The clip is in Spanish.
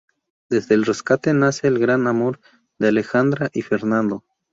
Desde el rescate, nace el gran amor de Alejandra y Fernando.